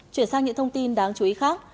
chuyển sang những thông tin đáng chú ý khác